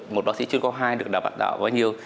một đoán sĩ chuyên khoa hai được đào tạo bao nhiêu